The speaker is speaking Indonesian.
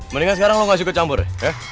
mendingan sekarang lo gak suka campur